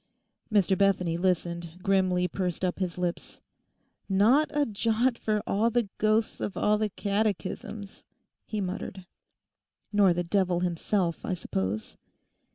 Mr. Bethany listened, grimly pursed up his lips. 'Not a jot for all the ghosts of all the catechisms!' he muttered. 'Nor the devil himself, I suppose?